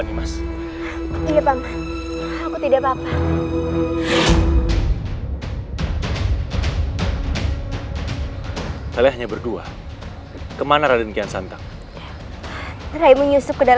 nih mas tidak aku tidak papa papa hai saya hanya berdua ke mana raden kian santan rai menyusup ke